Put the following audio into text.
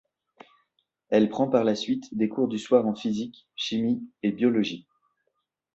Elle prend par la suite des cours du soir en physique, chimie et biologie.